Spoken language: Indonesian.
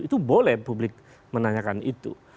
itu boleh publik menanyakan itu